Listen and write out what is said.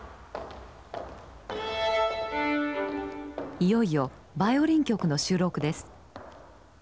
いよいよバイオリン曲の収録です。